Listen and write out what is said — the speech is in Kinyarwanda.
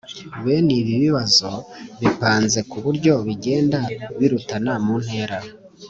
Bene ibi bibazo bipanze ku buryo bigenda birutana mu ntera